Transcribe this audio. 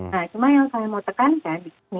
nah cuma yang saya mau tekankan